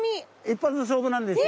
一発勝負なんです。